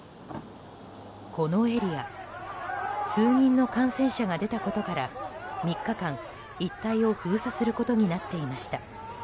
このエリア数人の感染者が出たことから３日間、一帯を封鎖することになっていました。